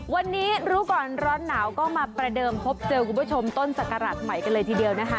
วันนี้รู้ก่อนร้อนหนาวก็มาประเดิมพบเจอคุณผู้ชมต้นศักราชใหม่กันเลยทีเดียวนะคะ